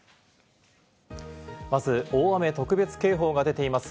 まず大雨特別警報が出ています。